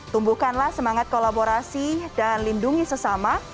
tumbuhkanlah semangat kolaborasi dan lindungi sesama